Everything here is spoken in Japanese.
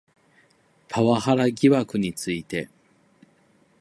パワハラ疑惑について